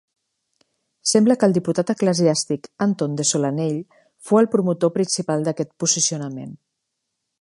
Sembla que el diputat eclesiàstic Anton de Solanell fou el promotor principal d'aquest posicionament.